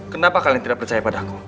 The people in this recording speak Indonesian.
kenapa kalian tidak percaya padaku